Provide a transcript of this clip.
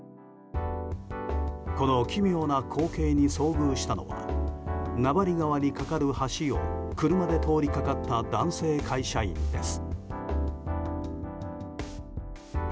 この奇妙な光景に遭遇したのは名張川に架かる橋を車で通りかかった男性会社員です。